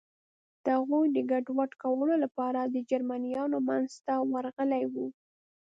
د هغوی د ګډوډ کولو لپاره د جرمنیانو منځ ته ورغلي و.